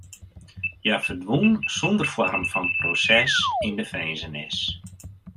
Hja ferdwûn sûnder foarm fan proses yn de finzenis.